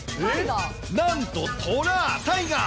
なんと虎、タイガー。